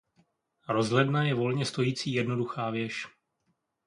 Rozhledna je volně stojící jednoduchá věž.